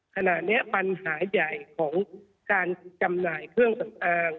ขณะนี้ปัญหาใหญ่ของการจำหน่ายเครื่องต่าง